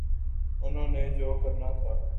انہوں نے جو کرنا تھا۔